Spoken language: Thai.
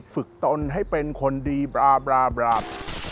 ตนให้เป็นคนดีบราบราบรา